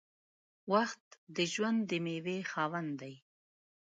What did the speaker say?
• وخت د ژوند د میوې خاوند دی.